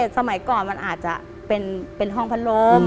สมัยก่อนมันอาจจะเป็นห้องพัดลม